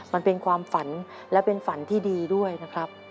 มันเป็นความฝันและเป็นฝันที่ดีด้วยนะครับ